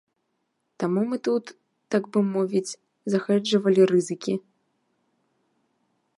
Таму мы тут, так бы мовіць, захэджавалі рызыкі.